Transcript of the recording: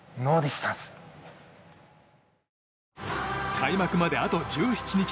開幕まであと１７日。